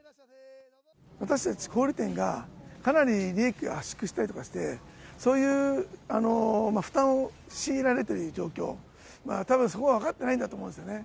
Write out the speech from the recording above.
私たち小売り店がかなり利益を圧縮したりして、そういう負担を強いられている状況、たぶん、そこが分かってないんだと思うんですよね。